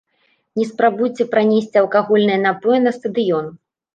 Не спрабуйце пранесці алкагольныя напоі на стадыён.